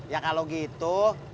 ya kalau gitu